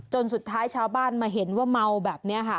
สุดท้ายชาวบ้านมาเห็นว่าเมาแบบนี้ค่ะ